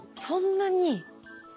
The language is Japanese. そんなに。